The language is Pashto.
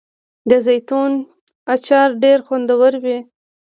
د زیتون اچار ډیر خوندور وي.